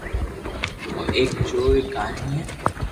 او ايڪ چور ري ڪياني ھي